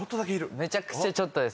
めちゃくちゃちょっとですけど。